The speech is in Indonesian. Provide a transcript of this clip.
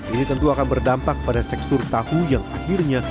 ini tentu akan berdampak pada seksur tahu yang akhirnya